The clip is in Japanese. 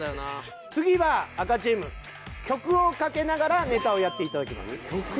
次は赤チーム曲をかけながらネタをやっていただきます。